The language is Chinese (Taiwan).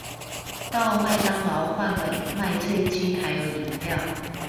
到麥當勞換了麥脆雞還有飲料